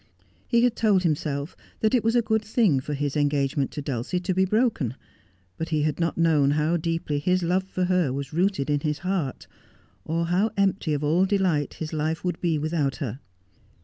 He had told himself that it was a good thing for his engage ment to Dulcie to be broken ; but he had not known how deeply his love for her was rooted in his heart, or how empty of all delight his life would be without her.